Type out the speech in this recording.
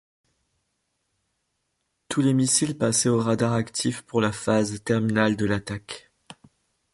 Tous les missiles passaient au radar actif pour la phase terminale de l'attaque.